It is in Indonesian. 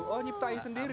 oh nyiptain sendiri